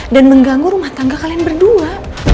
dan mengganggu rumah tangga kalian berdua